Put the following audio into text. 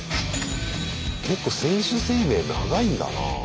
結構選手生命長いんだなあ。